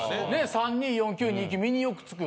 ３２４９２９みによくつく。